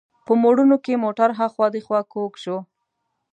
په موړونو کې موټر هاخوا دیخوا کوږ شو.